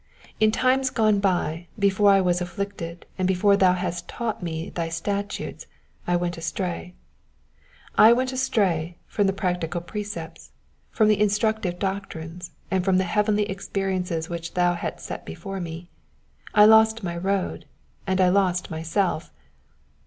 In times gone by, before I was afflicted, and before thou hadst fully taught me thy statutes, I went astray. '* I went astray" from the practical precepts, from the instructive doctrines, and from the heavenly experiences which thou hadst set before me. I lost my road, and I lost myself.